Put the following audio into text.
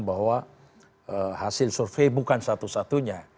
bahwa hasil survei bukan satu satunya